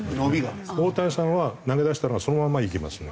大谷さんは投げ出したらそのままいきますね。